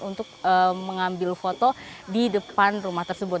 untuk mengambil foto di depan rumah tersebut